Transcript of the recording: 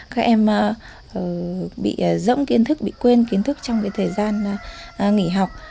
các em bị dỗng kiến thức bị quên kiến thức trong thời gian nghỉ học